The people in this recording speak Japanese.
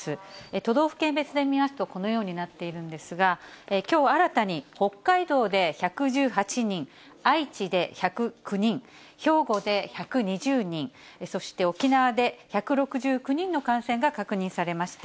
都道府県別で見ますと、このようになっているんですが、きょう新たに北海道で１１８人、愛知で１０９人、兵庫で１２０人、そして沖縄で１６９人の感染が確認されました。